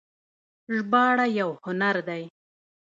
ژباړه یو هنر دی